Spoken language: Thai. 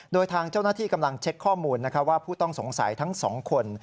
โดยทางเจ้าหน้าที่กำลังเช็คข้อมูลว่าผู้ต้องสงสัยทั้ง๒คน